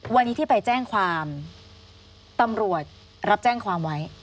วันนี้ที่ไปแจ้งความตำรวจรับแจ้งความไว้